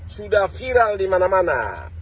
sudah viral di mana mana